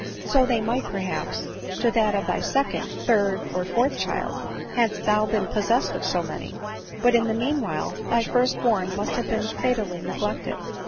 " So they might, perhaps, to that of thy second, third, or fourth child, hadst thou been possessed of so many ; but, in the meanwhile, thy first born must have been fa tally neglected.